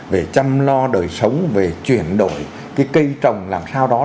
về chăm lo đời sống về chuyển đổi cái cây trồng làm sao đó